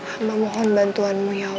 hamba mohon bantuanmu ya allah